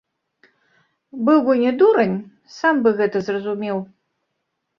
Быў бы не дурань, сам бы гэта зразумеў.